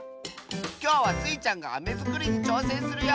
きょうはスイちゃんがアメづくりにちょうせんするよ！